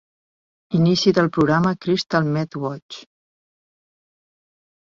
Inici del programa Crystal Meth Watch...